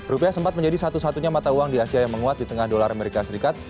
rupiah sempat menjadi satu satunya mata uang di asia yang menguat di tengah dolar amerika serikat